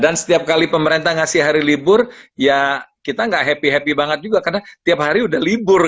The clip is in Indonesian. dan setiap kali pemerintah ngasih hari libur ya kita nggak happy happy banget juga karena tiap hari udah libur kan